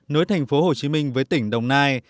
nối thành phố hồ chí minh với tỉnh đồng nai